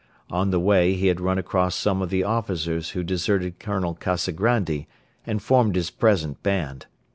On the way he had run across some of the officers who deserted Colonel Kazagrandi and formed his present band.